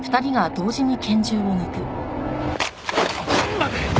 待て！